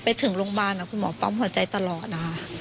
ไปถึงโรงพยาบาลคุณหมอปั๊มหัวใจตลอดนะคะ